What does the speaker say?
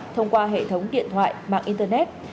thông qua hệ thống điện thoại mạng internet